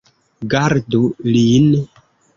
Gardu lin!